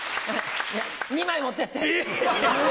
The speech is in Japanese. ２枚持ってって。